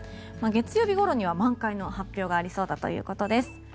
月曜日ごろには満開の発表がありそうだということです。